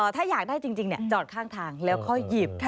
ถ้าอยากได้จริงจอดข้างทางแล้วค่อยหยิบ